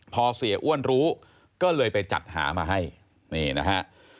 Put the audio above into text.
พอเสียอ้วนรู้ก็เลยไปจัดหามาให้นี่นะฮะ